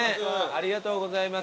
ありがとうございます。